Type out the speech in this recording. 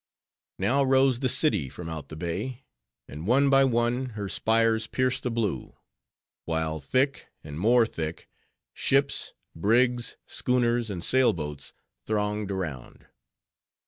Now rose the city from out the bay, and one by one, her spires pierced the blue; while thick and more thick, ships, brigs, schooners, and sail boats, thronged around.